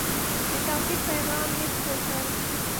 د توحید پیغام یې خپور کړ.